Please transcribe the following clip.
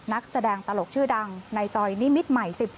นักแสดงตลกชื่อดังในซอยนิมิตรใหม่๑๔